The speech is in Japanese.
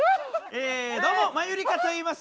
えどうもマユリカといいます。